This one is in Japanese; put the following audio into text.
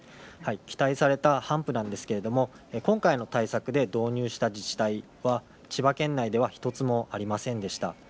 期待されたハンプなんですけれど今回の対策で導入した自治体は千葉県内では１つもありませんでした。